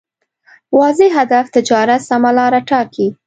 واضح هدف تجارت سمه لاره ټاکي.